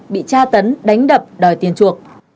bị tra tấn đánh đập đòi tiền chuộc